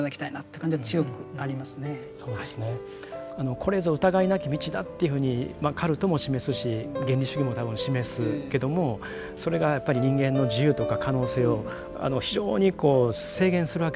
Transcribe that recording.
これぞ疑いなき道だというふうにカルトも示すし原理主義も多分示すけどもそれがやっぱり人間の自由とか可能性を非常にこう制限するわけですよね。